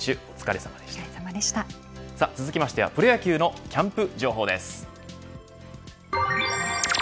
さあ、続きましてはプロ野球のキャンプ情報です。